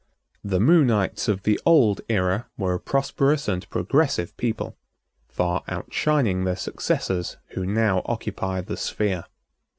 The Moonities of the old era were a prosperous and progressive people, far outshining their successors who now occupy the sphere.